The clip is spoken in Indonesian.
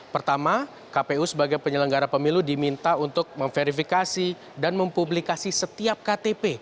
pertama kpu sebagai penyelenggara pemilu diminta untuk memverifikasi dan mempublikasi setiap ktp